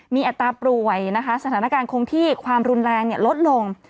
มีอัตราป่วยนะคะสถานการณ์คงที่ความรุนแรงลดลง